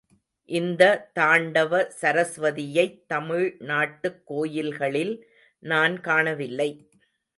இந்த தாண்டவ சரஸ்வதியைத் தமிழ் நாட்டுக் கோயில்களில் நான் காணவில்லை.